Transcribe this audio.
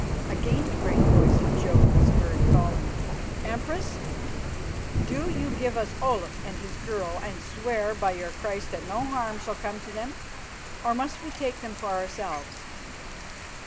Again the great voice of Jodd was heard, calling, "Empress, do you give us Olaf and his girl and swear by your Christ that no harm shall come to them? Or must we take them for ourselves?"